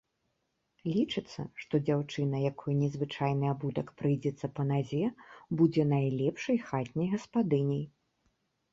Лічыцца, што дзяўчына, якой незвычайны абутак прыйдзецца па назе, будзе найлепшай хатняй гаспадыняй.